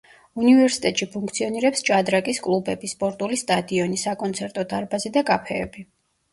უნივერსიტეტში ფუნქციონირებს ჭადრაკის კლუბები, სპორტული სტადიონი, საკონცერტო დარბაზი და კაფეები.